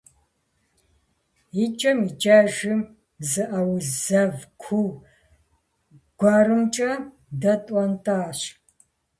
ИкӀэм-икӀэжым зы ауз зэв куу гуэрымкӀэ дэтӀуантӀащ.